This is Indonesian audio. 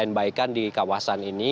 yang sudah di stand by kan di kawasan ini